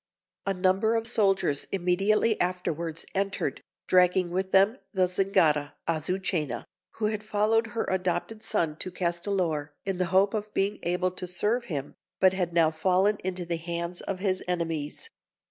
A number of soldiers immediately afterwards entered, dragging with them the Zingara, Azucena, who had followed her adopted son to Castellor in the hope of being able to serve him, but had now fallen into the hands of his enemies.